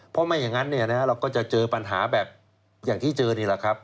เพราะไม่อย่างนั้นเราก็จะเจอปัญหาแบบอย่างที่เจอนี่แหละครับ